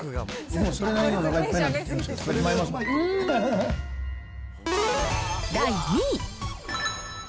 それなりにおなかいっぱいになってるんですけど食べてまいま第２位。